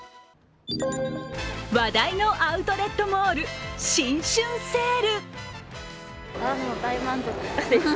話題のアウトレットモール、新春セール。